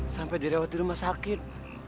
sampai dirawat di rumah sakit